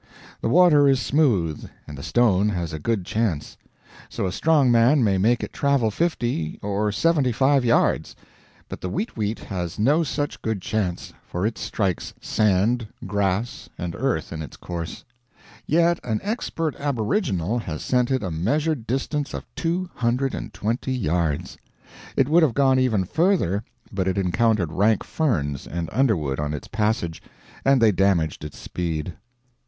The water is smooth, and the stone has a good chance; so a strong man may make it travel fifty or seventy five yards; but the weet weet has no such good chance, for it strikes sand, grass, and earth in its course. Yet an expert aboriginal has sent it a measured distance of two hundred and twenty yards. It would have gone even further but it encountered rank ferns and underwood on its passage and they damaged its speed.